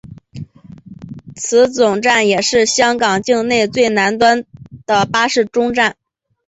此总站也是香港境内最南端的巴士终站。